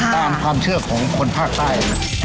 ตามความเชื่อของคนภาคใต้